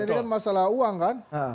karena ini kan masalah uang kan